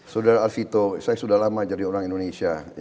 saudara alfito saya sudah lama jadi orang indonesia